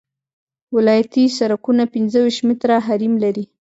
ولایتي سرکونه پنځه ویشت متره حریم لري